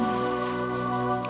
mas ini ada surat